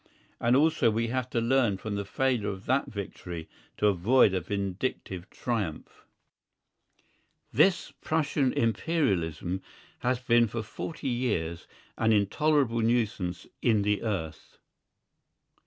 And also we have to learn from the failure of that victory to avoid a vindictive triumph. This Prussian Imperialism has been for forty years an intolerable nuisance in the earth.